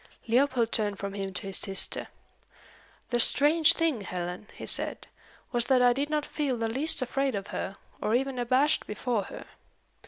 Leopold turned from him to his sister. "The strange thing, Helen," he said, "was that I did not feel the least afraid of her, or even abashed before her.